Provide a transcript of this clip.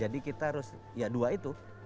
jadi kita harus ya dua itu